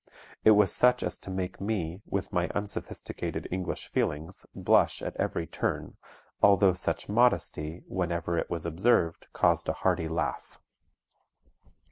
It was such as to make me, with my unsophisticated English feelings, blush at every turn, although such modesty, whenever it was observed, caused a hearty laugh."